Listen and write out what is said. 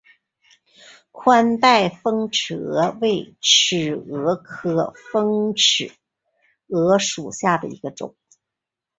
宽带峰尺蛾为尺蛾科峰尺蛾属下的一个种。